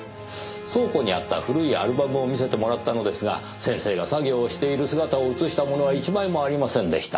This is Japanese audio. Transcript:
倉庫にあった古いアルバムを見せてもらったのですが先生が作業をしている姿を写したものは一枚もありませんでした。